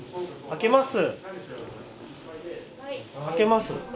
開けます。